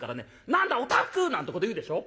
『何だおたふく！』なんてこと言うでしょ。